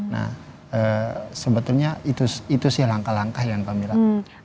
nah sebetulnya itu sih langkah langkah yang kami lakukan